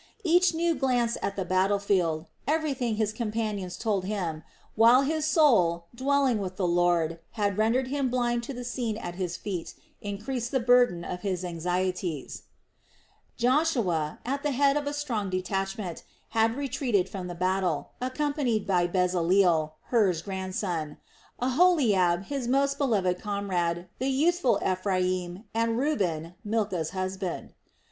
Each new glance at the battle field, everything his companions told him, while his soul, dwelling with the Lord, had rendered him blind to the scene at his feet, increased the burden of his anxieties. Joshua, at the head of a strong detachment, had retreated from the battle, accompanied by Bezaleel, Hur's grandson, Aholiab, his most beloved comrade, the youthful Ephraim, and Reuben, Milcah's husband.